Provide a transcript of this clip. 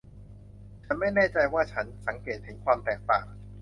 ฉันไม่แน่ใจว่าฉันสังเกตเห็นความแตกต่าง